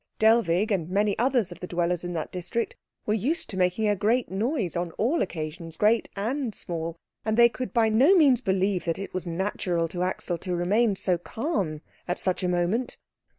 Dellwig and many others of the dwellers in that district were used to making a great noise on all occasions great and small, and they could by no means believe that it was natural to Axel to remain so calm at such a moment.